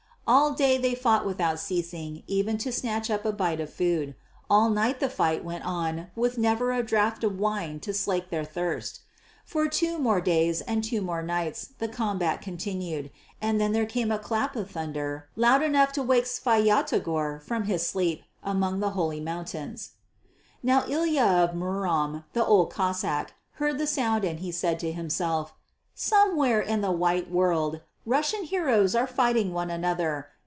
All day they fought without ceasing even to snatch up a bite of food; all night the fight went on with never a draught of wine to slake their thirst. For two more days and two more nights the combat continued, and then there came a clap of thunder loud enough to wake Svyatogor from his sleep among the Holy Mountains. Now Ilya of Murom the Old Cossáck heard that sound and he said to himself, "Somewhere in the white world Russian heroes are fighting one another.